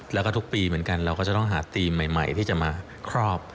แล้วก็ทุกปีเหมือนกันเราก็จะต้องหาทีมใหม่ที่จะมาครอบ